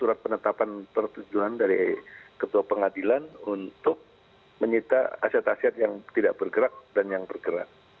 surat penetapan pertujuan dari ketua pengadilan untuk menyita aset aset yang tidak bergerak dan yang bergerak